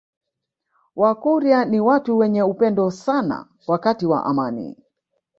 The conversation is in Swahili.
Wakurya ni watu wenye upendo sana wakati wa amani